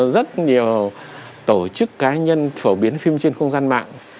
rất nhiều tổ chức cá nhân phổ biến phim trên không gian mạng